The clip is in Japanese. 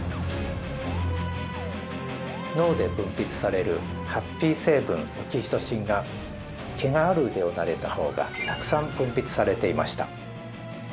脳で分泌されるハッピー成分オキシトシンが毛がある腕をなでた方がたくさん分泌されていました。